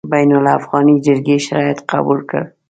بین الافغاني جرګې شرایط قبول کړل.